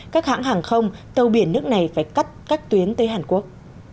các hãng hàng không tàu biển nước này phải cắt các tuyến tới hàn quốc